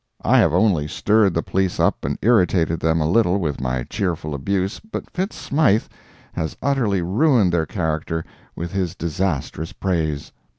I have only stirred the police up and irritated them a little with my cheerful abuse, but Fitz Smythe has utterly ruined their character with his disastrous praise.